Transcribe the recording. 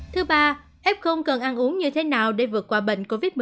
thứ ba f không cần ăn uống như thế nào để vượt qua bệnh covid một mươi chín